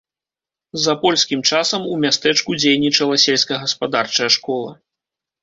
За польскім часам у мястэчку дзейнічала сельскагаспадарчая школа.